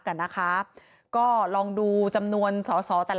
กลับมาดูจำนวนส๓๓๓